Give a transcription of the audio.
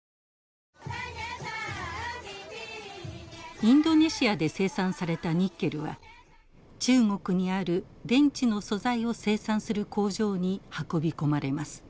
インドネシアで生産されたニッケルは中国にある電池の素材を生産する工場に運び込まれます。